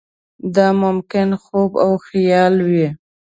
دا ممکن خوب او خیال وي.